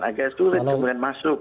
agak sulit kemudian masuk